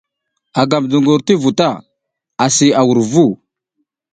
A gam dungur ti vu ta asi a wur vu.